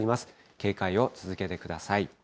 警戒を続けてください。